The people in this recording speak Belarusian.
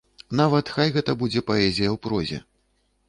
Нават хай гэта будзе паэзія ў прозе.